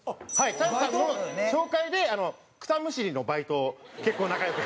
チャンスさんの紹介で草むしりのバイトを結構仲良く。